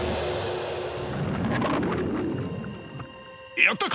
やったか？